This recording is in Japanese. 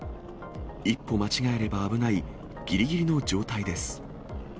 一歩間違えれば危ない、ぎりぎりの状態です。